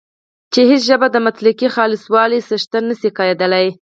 چې هیڅ ژبه د مطلقې خالصوالي څښتنه نه شي کېدلای